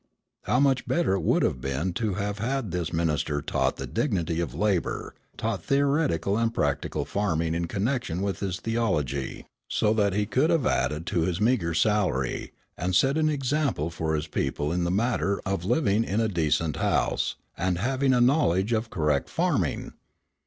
How much better it would have been to have had this minister taught the dignity of labour, taught theoretical and practical farming in connection with his theology, so that he could have added to his meagre salary, and set an example for his people in the matter of living in a decent house, and having a knowledge of correct farming!